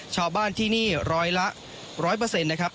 ชาวบ้านที่นี่ร้อยละ๑๐๐นะครับ